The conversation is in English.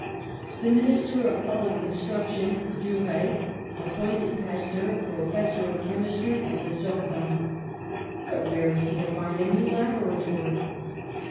The Minister of Public Instruction, Duruy, appointed Pasteur professor of chemistry at the Sorbonne, but where was he to find a new laboratory?